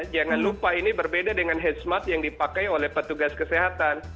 jangan lupa ini berbeda dengan head smart yang dipakai oleh petugas kesehatan